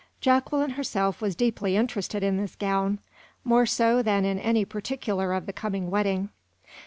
Jacqueline herself was deeply interested in this gown; more so than in any particular of the coming wedding.